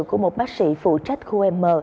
của một bác sĩ phụ trách khu m